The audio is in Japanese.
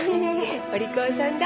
お利口さんだ。